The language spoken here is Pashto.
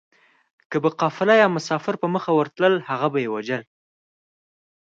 که به قافله يا مسافر په مخه ورتلل هغه به يې وژل